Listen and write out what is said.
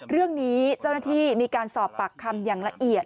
เรื่องนี้เจ้าหน้าที่มีการสอบปากคำอย่างละเอียด